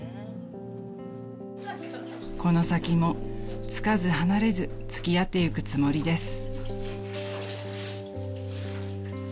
［この先もつかず離れず付き合っていくつもりです］